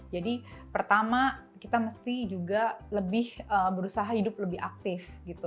jadi pertama kita mesti juga lebih berusaha hidup lebih aktif gitu